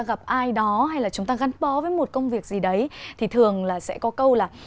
gặp ai đó hay là chúng ta gắn bó với một công việc gì đấy thì thường là sẽ có câu là